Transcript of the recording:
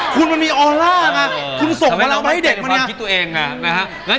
คุณมันมีออร่านะคุณส่งมาแล้วมาให้เด็กมันเนี่ย